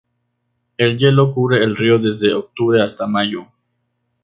El hielo cubre el río desde octubre hasta mayo.